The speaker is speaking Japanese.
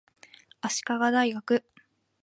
足利大学